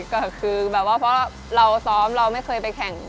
ก็คือแบบว่าเพราะเราซ้อมเราไม่เคยไปแข่ง